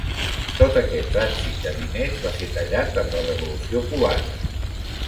Tot aquest trànsit de diners va ser tallat amb la revolució cubana.